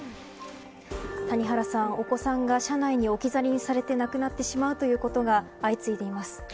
谷原さん、お子さんが車内に置き去りにされて亡くなってしまうということが相次いでいます。